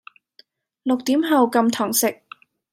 六點後禁堂食